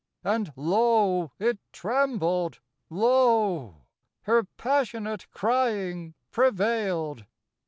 And lo ! it trembled, lo ! her passionate Crying prevailed.